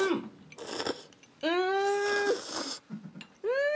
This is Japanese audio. うん！